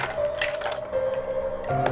aku harus bikin perhitungan sama reva